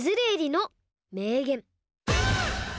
のめいげん！